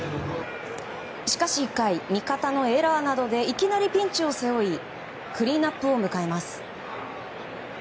しかし１回、味方のエラーなどでいきなりピンチを背負いクリーンアップを迎えます。